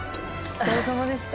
お疲れさまでした。